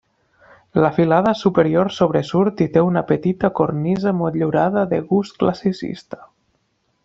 La filada superior sobresurt i té una petita cornisa motllurada de gust classicista.